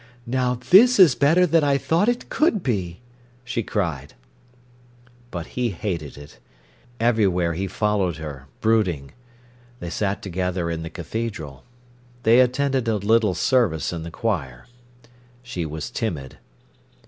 "Now this is better than I thought it could be!" she cried. But he hated it. Everywhere he followed her, brooding. They sat together in the cathedral. They attended a little service in the choir. She was timid.